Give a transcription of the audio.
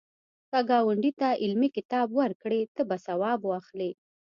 که ګاونډي ته علمي کتاب ورکړې، ته به ثواب واخلی